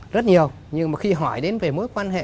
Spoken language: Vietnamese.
rất nhiều nhưng mà khi hỏi đến về mối quan hệ